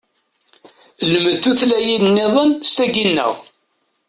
Lmed tutlayin nniḍen s tagi nneɣ!